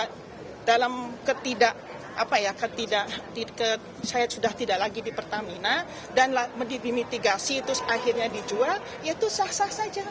karena dalam ketidak saya sudah tidak lagi di pertamina dan dimitigasi terus akhirnya dijual ya itu sah sah saja